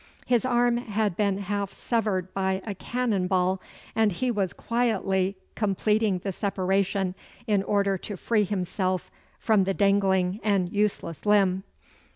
His arm had been half severed by a cannon ball, and he was quietly completing the separation in order to free himself from the dangling and useless limb.